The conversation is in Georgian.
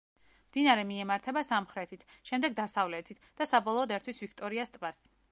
მდინარე მიემართება სამხრეთით, შემდეგ დასავლეთით და საბოლოოდ ერთვის ვიქტორიას ტბას.